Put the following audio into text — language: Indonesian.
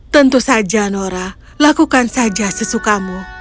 tentu saja nora lakukan saja sesukamu